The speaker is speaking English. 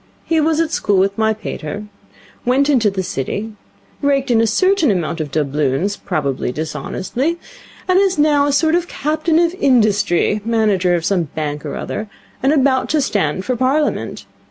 He was at school with my pater, went into the City, raked in a certain amount of doubloons probably dishonestly and is now a sort of Captain of Industry, manager of some bank or other, and about to stand for Parliament.